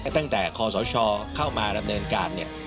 ตั้งแต่คอสชเข้ามารำเนินการเนี่ย